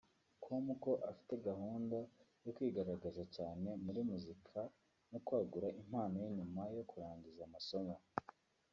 com ko afite gahunda yo kwigaragaza cyane muri muzika no kwagura impano ye nyuma yo kurangiza amasomo